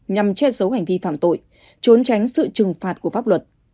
nhằm che giấu hành vi phạm tội trốn tránh sự trừng phạt của pháp luật